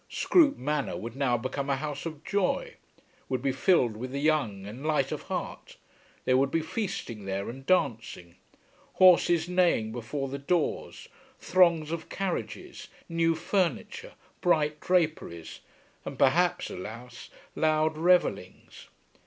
Scroope Manor would now become a house of joy, would be filled with the young and light of heart; there would be feasting there and dancing; horses neighing before the doors, throngs of carriages, new furniture, bright draperies, and perhaps, alas, loud revellings.